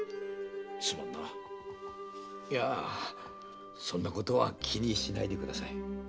いやそんなことは気にしないでください。